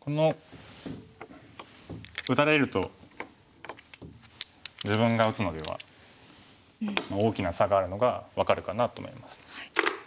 この打たれると自分が打つのでは大きな差があるのが分かるかなと思います。